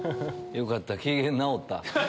よかった機嫌直った。